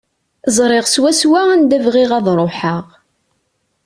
Ẓriɣ swaswa anda bɣiɣ ad ruḥeɣ.